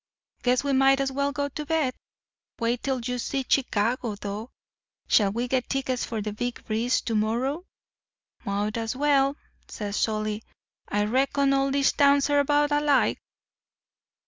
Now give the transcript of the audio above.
Guess we might as well go to bed. Wait till you see Chicago, though. Shall we get tickets for the Big Breeze to morrow?' "'Mought as well,' says Solly. 'I reckon all these towns are about alike.